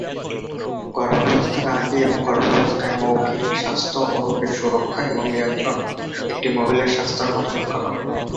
গর্ভাবস্থার আগে এবং গর্ভাবস্থায় মৌখিক স্বাস্থ্য ও রোগের সুরক্ষা এবং নিয়ন্ত্রণ একটি মহিলার স্বাস্থ্যের মান রক্ষা করে।